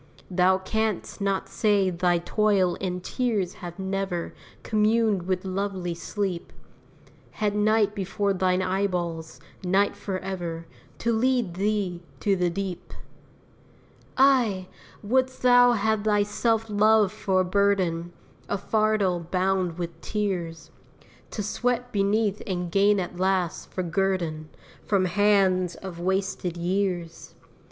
Thou canst not say thy toil and tears have never Communed with lovely sleep! Had night before thine eyeballs night forever To lead thee to the deep! Ay! wouldst thou have thy self love for a burden, A fardel bound with tears, To sweat beneath and gain at last, for guerdon, From hands of wasted years?